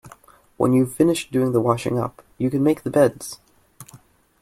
When you’ve finished doing the washing up, you can make the beds